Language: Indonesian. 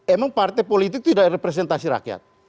emang partai politik tidak representasi rakyat